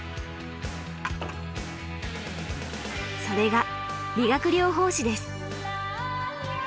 それが理学療法士です。